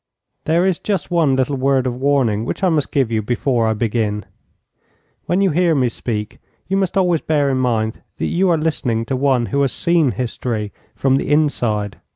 There is just one little word of warning which I must give you before I begin. When you hear me speak, you must always bear in mind that you are listening to one who has seen history from the inside.